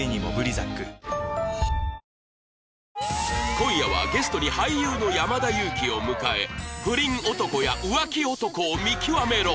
今夜はゲストに俳優の山田裕貴を迎え不倫男や浮気男を見極めろ！